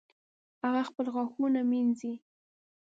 هغه خپل غاښونه مینځي